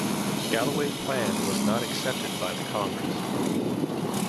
Galloway's plan was not accepted by the Congress.